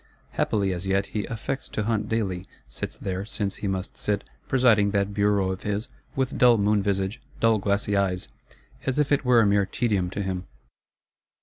Happily as yet he "affects to hunt daily;" sits there, since he must sit, presiding that Bureau of his, with dull moon visage, dull glassy eyes, as if it were a mere tedium to him.